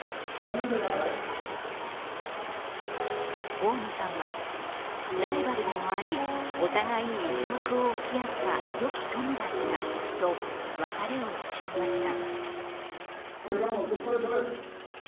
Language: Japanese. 大野さんはライバルでもありお互いに一目を置き合ったよき友だったと別れを惜しみました。